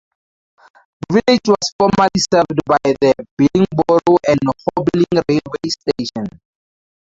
The village was formerly served by the Billingboro and Horbling railway station.